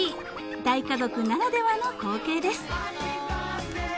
大家族ならではの光景です］